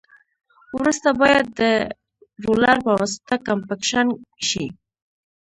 وروسته باید د رولر په واسطه کمپکشن شي